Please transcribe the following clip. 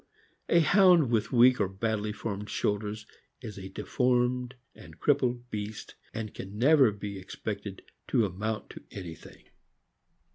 A Hound with weak or badly formed shoulders is a deformed and crippled beast, and can never be expected to amount to anything.